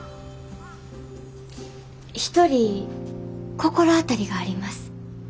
一人心当たりがあります。